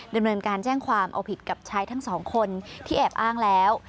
ดำเนินการแจ้งความเอาผิดกับชายทั้งสองคนที่แอบอ้างแล้ว